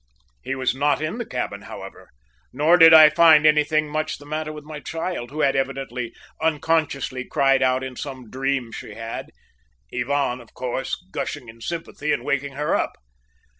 "He was not in the cabin, however; nor did I find anything much the matter with my child, who had evidently unconsciously cried out in some dream she had, Ivan, of course, gushing in sympathy and waking her up.